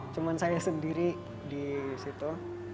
cuma saya sendiri di situ